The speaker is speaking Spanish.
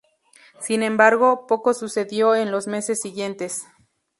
Sin embargo, poco sucedió en los meses siguientes.